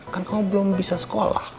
kan kamu belum bisa sekolah